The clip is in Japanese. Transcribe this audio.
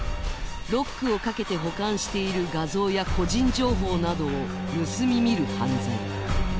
ロックをかけて保管している画像や個人情報などを盗み見る犯罪